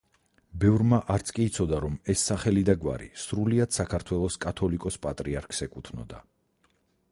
ბევრმა არც კი იცოდა რომ ეს სახელი და გვარი სრულიად საქართველოს კათოლიკოს-პატრიარქს ეკუთვნოდა.